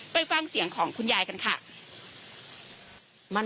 ไปฟังเสียงของคุณยายกันค่ะ